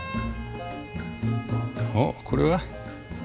おっこれは？